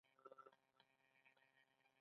غله دانه خپلواکي ده.